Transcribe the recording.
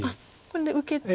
これで受けて。